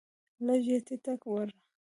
لږ یې ټیټه وړه